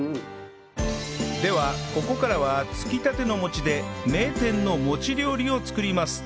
ではここからはつきたての餅で名店の餅料理を作ります